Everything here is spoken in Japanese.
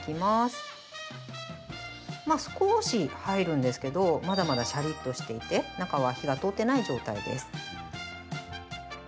まあ、少し入るんですけどまだまだシャリっとしていて中は火が通っていない状態です。